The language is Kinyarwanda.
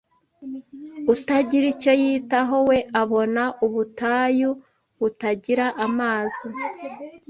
utagira icyo yitaho we abona ubutayu butagira amazi.